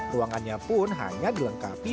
ruangannya pun hanya dilengkapi